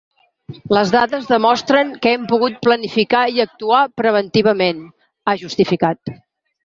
“Les dades demostren que hem pogut planificar i actuar preventivament”, ha justificat.